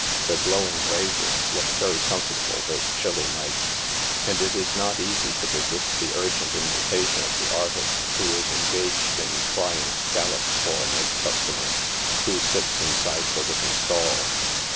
The glowing braziers look very comfortable this chilly night, and it is not easy to resist the urgent invitation of the artist who is engaged in frying scollops for a night customer, who sits inside the little stall.